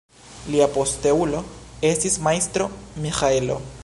Lia posteulo estis Majstro Miĥaelo.